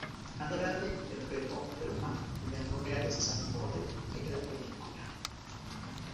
Andrade interpretó a Paloma, la nuera de Sandoval, en la película.